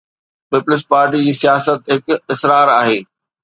Peoples Party جي سياست هڪ اسرار آهي.